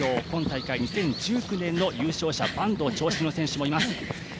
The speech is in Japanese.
今大会２０１９年の優勝者坂東、長身の選手もいます。